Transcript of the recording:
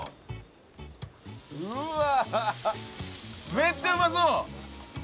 めっちゃうまそう！